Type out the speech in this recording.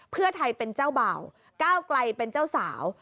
เพื่อไทยเป็นเจ้าเบ่าก้าวไกลเป็นเจ้าสาว